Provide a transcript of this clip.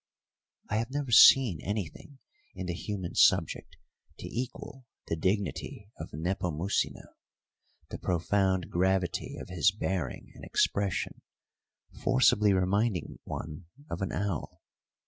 I have never seen anything in the human subject to equal the dignity of Nepomucino, the profound gravity of his bearing and expression forcibly reminding one of an owl.